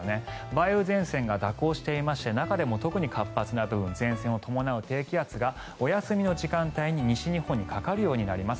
梅雨前線が蛇行していまして中でも特に活発な部分前線を伴う低気圧がお休みの時間帯に西日本にかかるようになります。